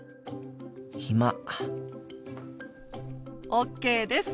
ＯＫです。